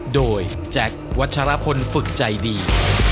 โดยแจ็ควัชรพลฝึกใจดี